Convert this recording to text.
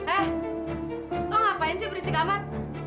eh kau ngapain sih berisik amat